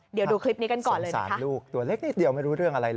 เดี๋ยวดูคลิปนี้กันก่อนเลยนะคะ